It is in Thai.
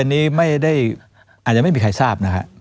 อันนี้ไม่ได้อาจจะไม่มีใครทราบนะฮะ